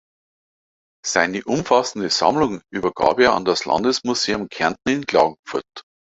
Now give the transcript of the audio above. Seine umfassende Sammlung übergab er an das Landesmuseum Kärnten in Klagenfurt.